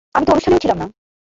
আমি তো অনুষ্ঠানেও ছিলাম না।